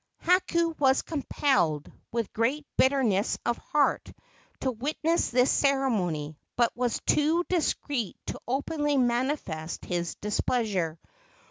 Hakau was compelled, with great bitterness of heart, to witness this ceremony, but was too discreet to openly manifest his displeasure.